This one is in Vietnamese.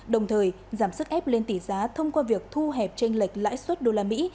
đồng thời giảm sức ép lên tỷ giá thông qua việc thu hẹp tranh lệch lãi suất đô la mỹ